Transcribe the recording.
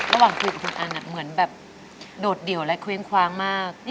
ครูกับคุณอันเหมือนแบบโดดเดี่ยวและเคว้งคว้างมาก